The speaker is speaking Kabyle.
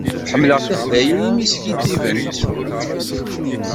Ḥemmleɣ tiḥdayin imi skiddibent.